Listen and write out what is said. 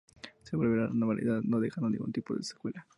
Se volverá a la normalidad no dejando ningún tipo de secuela.